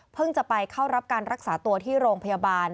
จะไปเข้ารับการรักษาตัวที่โรงพยาบาล